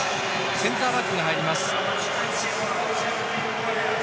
センターバックが入ります。